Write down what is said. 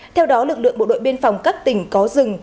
theo đó lực lượng bộ đội biên phòng các tỉnh có rừng